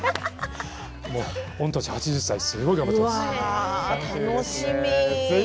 御年８０歳すごく頑張っています。